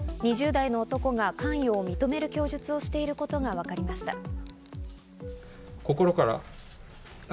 ２０代の男が関与を認める供述をしていることがわかりました。